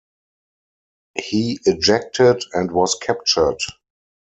He ejected and was captured.